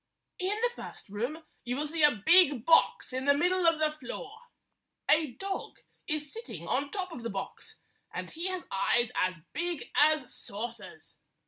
In the first room you will see a big box in the middle of the floor. A dog is sitting 161 1 62 on the top of the box, and he has eyes as big as saucers.